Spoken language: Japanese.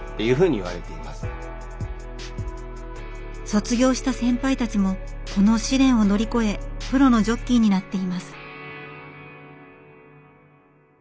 卒業した先輩たちもこの試練を乗り越えプロのジョッキーになっています。